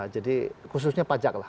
jadi khususnya pajak lah